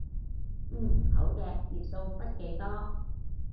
嗯，好嘅，頁數筆記多